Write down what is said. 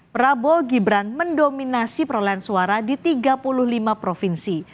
prabowo gibran mendominasi perolehan suara di tiga puluh lima provinsi